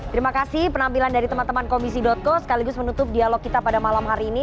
terima kasih penampilan dari teman teman komisi co sekaligus menutup dialog kita pada malam hari ini